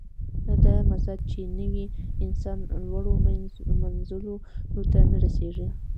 دا مزاج چې نه وي، انسان لوړو منزلونو ته نه رسېږي.